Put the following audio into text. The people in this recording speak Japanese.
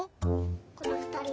このふたり。